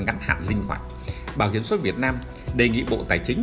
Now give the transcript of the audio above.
ngăn hạn linh hoạt bảo hiểm xã hội việt nam đề nghị bộ tài chính